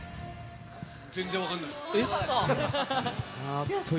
全然分かんない。